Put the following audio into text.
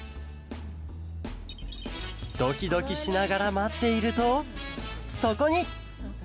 ドキドキしながらまっているとそこに！